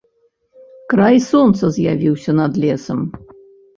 Край сонца з'явіўся над лесам.